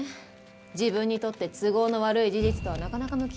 自分にとって都合の悪い事実とはなかなか向き合えないもんなの。